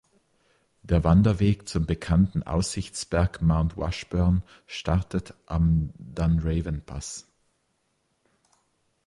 Der Wanderweg zum bekannten Aussichtsberg Mount Washburn startet am Dunraven Pass.